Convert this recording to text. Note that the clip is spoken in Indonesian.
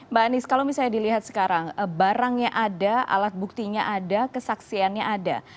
mbak anies kalau misalnya dilihat sekarang barangnya ada alat buktinya ada kesaksiannya ada